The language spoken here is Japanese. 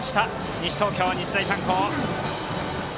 西東京、日大三高。